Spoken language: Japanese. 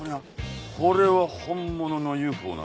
これは本物のＵＦＯな。